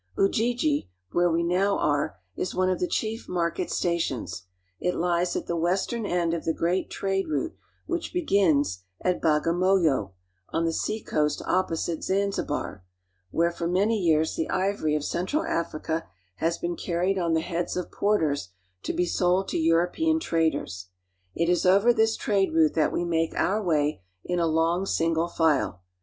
Ujiji, where we now are, is one of the chief market stations. It lies at the western end of the great trade route which begins at Bagamoyo (ba ga mo'yo), on the sea coast opposite Zanzibar, where for many years the ivory of central Africa has been carried on the heads of porters to THROUGH GERMAN EAST Al'KlCA TO INDIAN OCEAN 255 be sold to European traders. It is over this trade route j that we make our way in a long, single file.